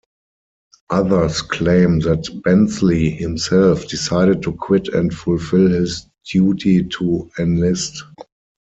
Others claim that Bensley himself decided to quit and fulfil his duty to enlist.